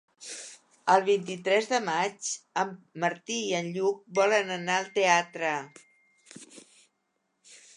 El vint-i-tres de maig en Martí i en Lluc volen anar al teatre.